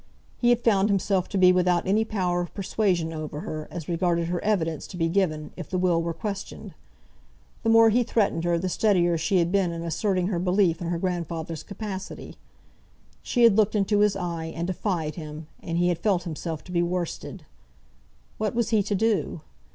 He had found himself to be without any power of persuasion over her, as regarded her evidence to be given, if the will were questioned. The more he threatened her the steadier she had been in asserting her belief in her grandfather's capacity. She had looked into his eye and defied him, and he had felt himself to be worsted. What was he to do?